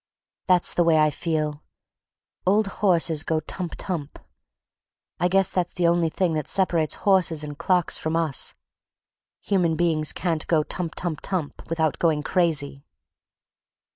That's the way I feel—old horses go tump tump.... I guess that's the only thing that separates horses and clocks from us. Human beings can't go 'tump tump tump' without going crazy."